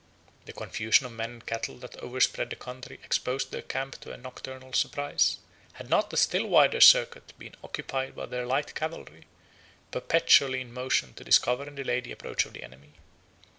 The confusion of men and cattle that overspread the country exposed their camp to a nocturnal surprise, had not a still wider circuit been occupied by their light cavalry, perpetually in motion to discover and delay the approach of the enemy.